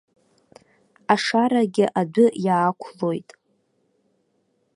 Ашарагьы адәы иаақәлоит.